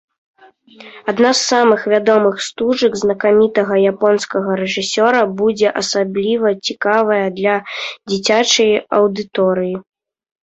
Адна з самых вядомых стужак знакамітага японскага рэжысёра будзе асабліва цікавая для дзіцячай аўдыторыі.